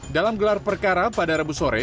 dalam gelar perkara pada rabu sore